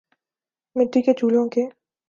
مٹی کے چولہوں کے